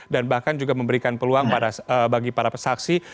dan bahkan juga memberikan peluang bagi para saksi